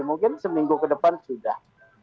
mungkin seminggu ke depan sudah